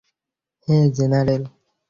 হেই, general!